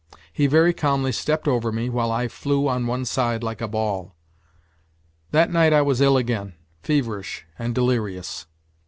He very calmly stepped over me, while I flew on one side like a ball. That night I was ill again, feverish and delirious.